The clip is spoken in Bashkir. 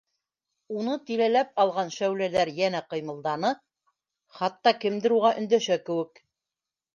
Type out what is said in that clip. Уны тирәләп алған шәүләләр йәнә ҡыймылданы, хатта кемдер уға өндәшә кеүек: